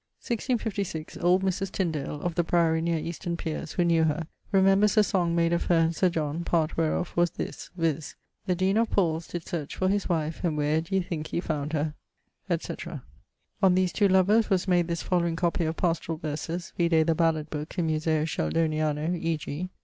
1656, old Mris Tyndale (of the Priory near Easton piers), who knew her, remembres a song made of her and Sir John, part whereof was this, vizt.: The deane of Paule's did search for his wife, And where d'ee thinke he found her?... etc. On these two lovers was made this following copie of pastorall verses (vide the ballad booke in Museo Sheldoniano), e.g.